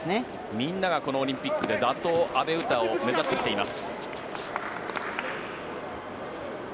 みんながこのオリンピックで打倒、阿部詩を目指してきています。